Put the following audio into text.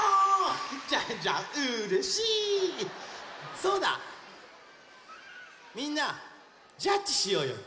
そうだみんなジャッチしようよ。